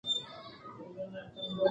او ټولنې د سر سړی وي،